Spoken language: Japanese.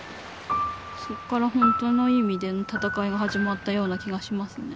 そっから本当の意味での闘いが始まったような気がしますね。